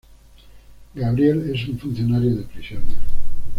Gabriel es un funcionario de prisiones.